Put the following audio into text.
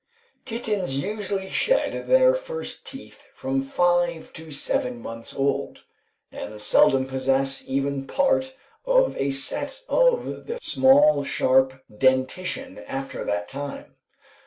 Kittens usually shed their first teeth from five to seven months old, and seldom possess even part of a set of the small, sharp dentition after that time.